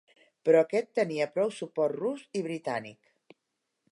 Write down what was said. Però aquest tenia prou suport rus i britànic.